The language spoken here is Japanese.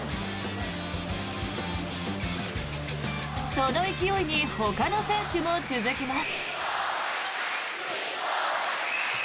その勢いにほかの選手も続きます。